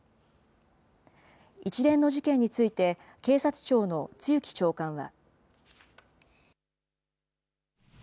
一連の事件について、警察庁の露木長官は。